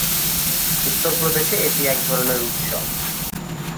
উত্তর প্রদেশে এটি এক ধরনের উৎসব।